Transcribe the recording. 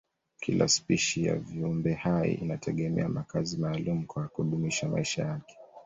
Kila spishi ya viumbehai inategemea makazi maalumu kwa kudumisha maisha yake.